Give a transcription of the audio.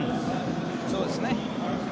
そうですね。